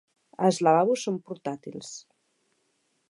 Els lavabos són portàtils.